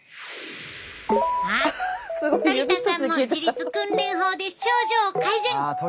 あっトリ田さんも自律訓練法で症状改善！